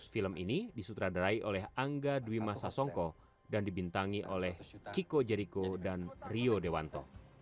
film ini disutradarai oleh angga dwima sasongko dan dibintangi oleh ciko jeriko dan rio dewanto